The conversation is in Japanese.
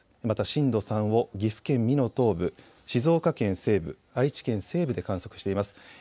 また震度３を岐阜県美濃東部、静岡県西部、愛知県西部で観測しています。